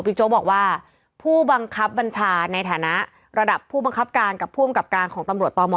โจ๊กบอกว่าผู้บังคับบัญชาในฐานะระดับผู้บังคับการกับผู้อำกับการของตำรวจตม